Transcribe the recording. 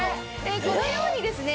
このようにですね